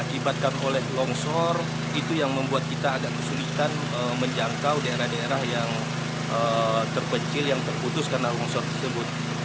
kita agak kesulitan menjangkau daerah daerah yang terpencil yang terputus karena longsor tersebut